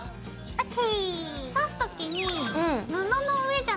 ＯＫ！